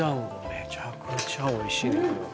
めちゃくちゃおいしいねんけど。